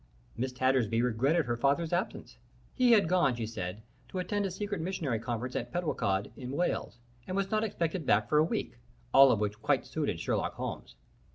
Miss Tattersby regretted her father's absence. He had gone, she said, to attend a secret missionary conference at Pentwllycod in Wales, and was not expected back for a week, all of which quite suited Sherlock Holmes.